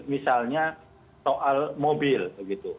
misalnya soal mobil begitu